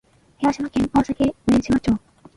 広島県大崎上島町